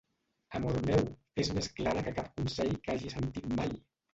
Amor meu, és més clara que cap consell que hagi sentit mai!